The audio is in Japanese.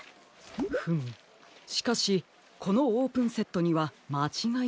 フムしかしこのオープンセットにはまちがいがありますね。